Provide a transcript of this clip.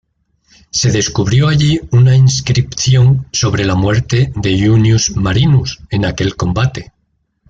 Se descubrió allí una inscripción sobre la muerte de Junius Marinus en aquel combate.